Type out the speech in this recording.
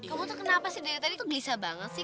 kamu tuh kenapa sih dari tadi tuh gelisah banget sih